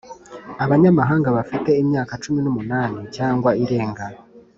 abanyamahanga bafite imyaka cumi n’umunani cyangwa irenga,